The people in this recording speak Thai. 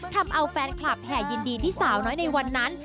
ทำเอาแฟนคลับแห่ยินดีที่สาวน้อยในวันนั้น